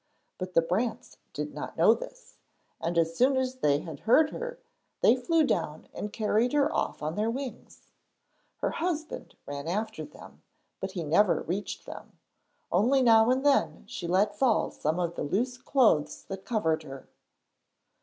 But the brants did not know this, and as soon as they heard her they flew down and carried her off on their wings. Her husband ran after them but he never reached them, only now and then she let fall some of the loose clothes that covered her.